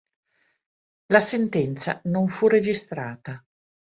La sentenza non fu registrata.